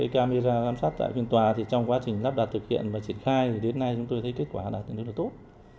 camera giám sát tại phiên tòa trong quá trình lắp đặt thực hiện và triển khai đến nay chúng tôi thấy kết quả đạt được rất là tốt